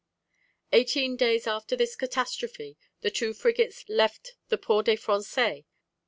] Eighteen days after this catastrophe, the two frigates left the Port des Français.